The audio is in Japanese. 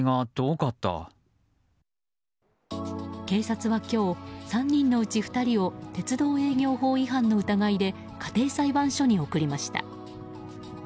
警察は今日３人のうち２人を鉄道営業法違反の疑いで家庭裁判所に送りました。